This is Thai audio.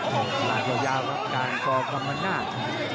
หลักต่อยาวกับการกอบคำนาจ